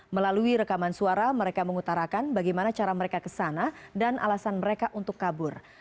melalui rekaman suara mereka mengutarakan bagaimana cara mereka ke sana dan alasan mereka untuk kabur